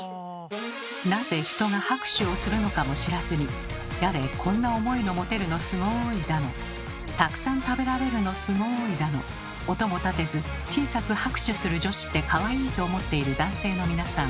なぜ人が拍手をするのかも知らずにやれ「こんな重いの持てるのすごい」だの「たくさん食べられるのすごい」だの音も立てず小さく拍手する女子ってかわいいと思っている男性の皆さん。